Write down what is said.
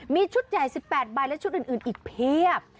มีชุดใหญ่๑๘ใบและชุดอื่นอีกเพียบ